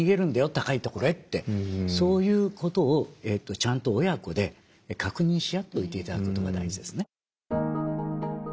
高いところへってそういうことをちゃんと親子で確認し合っておいていただくことが大事ですね。